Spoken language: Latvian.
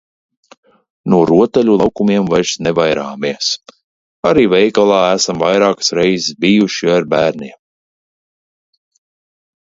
No rotaļu laukumiem vairs nevairāmies, arī veikalā esam vairākas reizes bijuši ar bērniem.